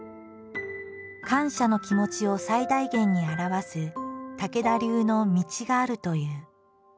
感謝の気持ちを最大限に表す武田流の「道」があるという。